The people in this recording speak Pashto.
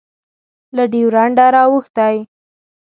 له ډیورنډه رااوښتی